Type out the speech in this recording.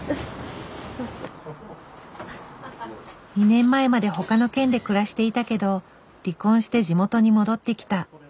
２年前まで他の県で暮らしていたけど離婚して地元に戻ってきた。